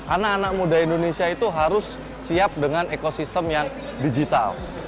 anak anak muda indonesia itu harus siap dengan ekosistem yang digital